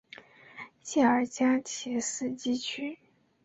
谢尔加奇斯基区。